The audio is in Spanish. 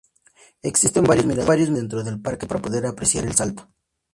Existen varios miradores dentro del parque para poder apreciar el salto.